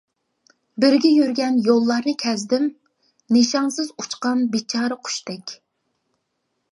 بىرگە يۈرگەن يوللارنى كەزدىم، نىشانسىز ئۇچقان بىچارە قۇشتەك.